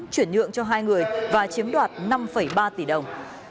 chuyển nhượng cho hai người và chiếm đoạt năm ba tỷ đồng